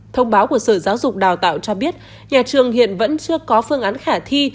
thông báo của sở giáo dục đào tạo cho biết nhà trường hiện vẫn chưa có phương án khả thi